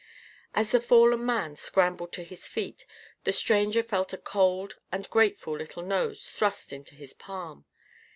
As the fallen man scrambled to his feet, the stranger felt a cold and grateful little nose thrust into his palm.